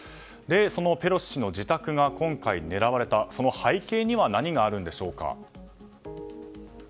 そのペロシ氏の自宅が今回、狙われたその背景には何があるんでしょうか。